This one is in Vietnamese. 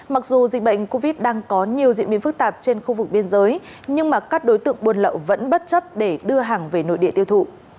mặc dù dịch bệnh covid đang có nhiều diễn biến phức tạp trên khu vực biên giới nhưng mà các đối tượng buôn lậu vẫn bất chấp để đưa hàng về nội địa tiêu thụ